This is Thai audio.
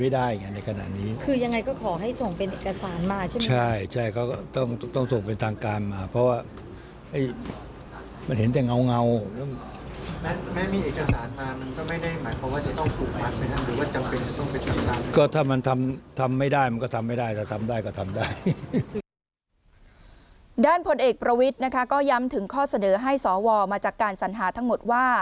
ด้านผลเอกประวิทย์นะคะก็ย้ำถึงข้อเสนอให้สวมาจากการสัญหาทั้งหมดว่า